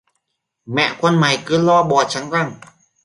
Mẹ con mày cứ lo bò trắng răng